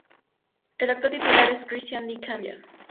El actual titular es Christian Di Candia.